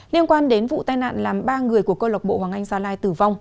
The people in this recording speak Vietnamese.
liên quan đến vụ tai nạn làm ba người của cơ lộc bộ hoàng anh gia lai tử vong